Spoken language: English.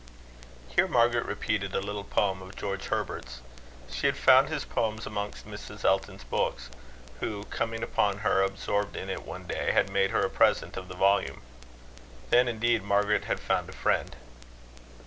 Here Margaret repeated a little poem of George Herbert's. She had found his poems amongst Mrs. Elton's books, who, coming upon her absorbed in it one day, had made her a present of the volume. Then indeed Margaret had found a friend.